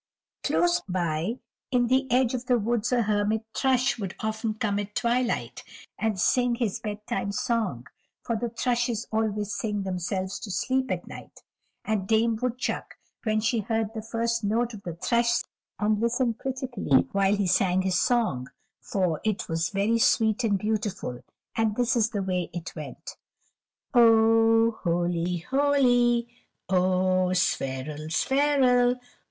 Close by in the edge of the woods a Hermit Thrush would often come at twilight, and sing his bedtime song, for the thrushes always sing themselves to sleep at night. And Dame Woodchuck, when she heard the first note of the thrush, would sit bolt upright, and listen critically while he sang his song, for it was very sweet and beautiful, and this is the way it went: "Oh holy, holy. Oh spheral, spheral.